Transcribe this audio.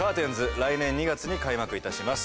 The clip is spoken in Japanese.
来年２月に開幕いたします